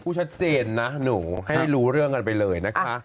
ชัดเจนนะหนูให้รู้เรื่องกันไปเลยนะคะ